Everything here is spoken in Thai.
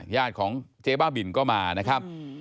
ญาติของเจ๊บ้าบินก็มานะครับ